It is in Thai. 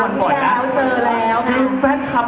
ตรงนี้ด้วยที่วันหล่อย